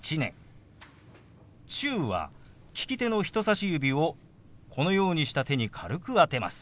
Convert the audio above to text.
「中」は利き手の人さし指をこのようにした手に軽く当てます。